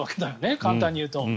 簡単に言うと。